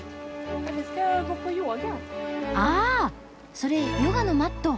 それヨガのマット。